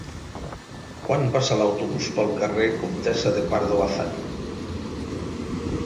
Quan passa l'autobús pel carrer Comtessa de Pardo Bazán?